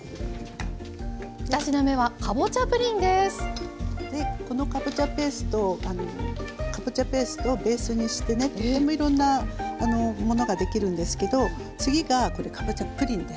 ２品目はこのかぼちゃペーストをベースにしてねとてもいろんなものができるんですけど次がこれかぼちゃプリンです。